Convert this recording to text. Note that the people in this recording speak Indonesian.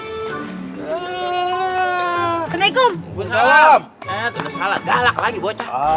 eh udah salah galak lagi bocah